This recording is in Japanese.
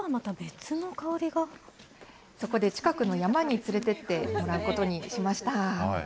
そこで、近くの山に連れてってもらうことにしました。